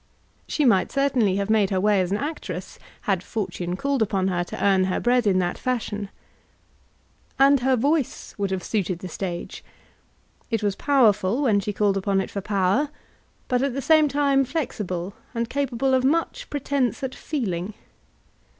She might certainly have made her way as an actress, had fortune called upon her to earn her bread in that fashion. And her voice would have suited the stage. It was powerful when she called upon it for power; but, at the same time, flexible and capable of much pretence at feeling.